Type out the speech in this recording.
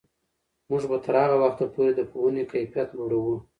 موږ به تر هغه وخته پورې د پوهنې کیفیت لوړوو.